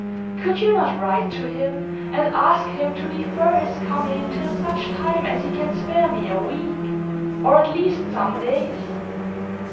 Could you not write to him, and ask him to defer his coming till such time as he can spare me a week, or at least some days?"